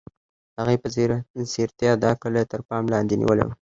هغې په ځیرتیا دا کلی تر پام لاندې نیولی و